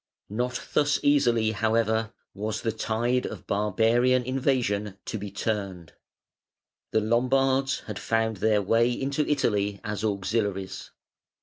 ] (568) Not thus easily, however, was the tide of barbarian invasion to be turned. The Lombards had found their way into Italy as auxiliaries.